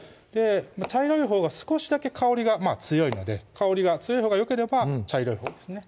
茶色いほうが少しだけ香りが強いので香りが強いほうがよければ茶色いほうですね